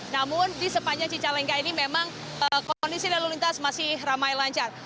namun di sepanjang cicalengka ini memang kondisi lalu lintas masih ramai lancar